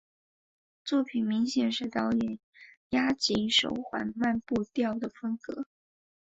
作品明显是导演押井守缓慢步调的风格。